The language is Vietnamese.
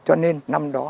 cho nên năm đó